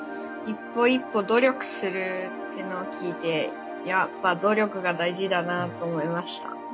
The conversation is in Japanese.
一歩一歩努力するっていうのを聞いてやっぱ努力が大事だなと思いました。